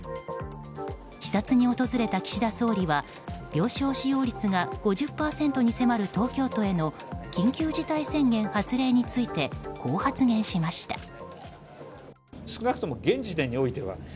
視察に訪れた岸田総理は病床使用率が５０％に迫る東京都への緊急事態宣言発令についてこう発言しました。